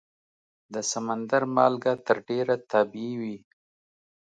د سمندر مالګه تر ډېره طبیعي وي.